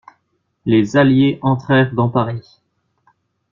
Les alliés entrèrent dans Paris.